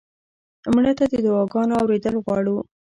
مړه ته د دعا ګانو اورېدل غواړو